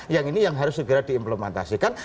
yang ini yang harus segera diimplementasikan